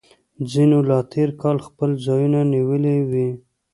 ځینو لا تیر کال خپل ځایونه نیولي وي